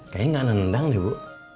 kayaknya gak nendang deh bu